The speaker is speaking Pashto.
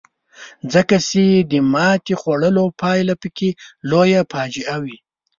ځکه چې د ماتې خوړلو پایله پکې لویه فاجعه وي.